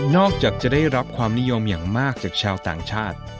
อกจากจะได้รับความนิยมอย่างมากจากชาวต่างชาติ